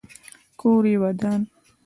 کور یې ودان.